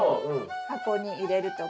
箱に入れるとか